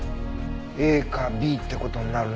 ＡかＢって事になるね。